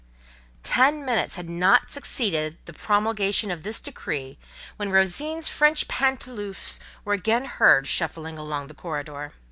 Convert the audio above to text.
Ten minutes had not succeeded the promulgation of this decree when Rosine's French pantoufles were again heard shuffling along the corridor.